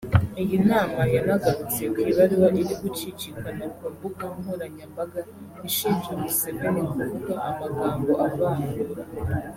Iyi nama yanagarutse ku ibaruwa iri gucicikana ku mbuga nkoranyambaga ishinja Museveni kuvuga amagambo avangura